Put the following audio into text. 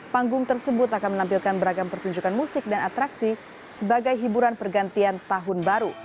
panggung tersebut akan menampilkan beragam pertunjukan musik dan atraksi sebagai hiburan pergantian tahun baru